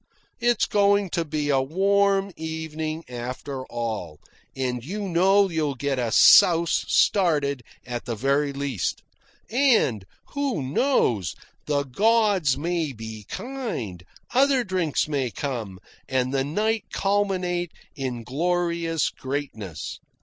It's going to be a warm evening after all, and you know you'll get a souse started at the very least. And who knows? the gods may be kind, other drinks may come, and the night culminate in glorious greatness.